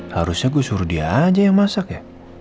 harusnya gue suruh dia aja yang masak ya